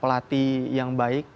pelatih yang baik